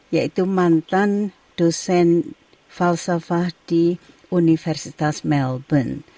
yaitu mantan dosen falsafah di universitas melbourne